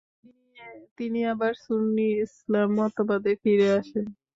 তিনি আবার সুন্নি ইসলাম মতবাদে ফিরে আসেন।